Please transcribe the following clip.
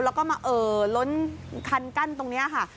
แล้วก็มาเอ่อล้นคันกั้นตรงนี้ค่ะ